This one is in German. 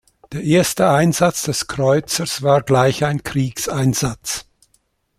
Der erste Einsatz des Kreuzers war gleich ein Kriegseinsatz.